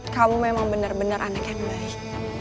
kamu memang benar benar anak yang baik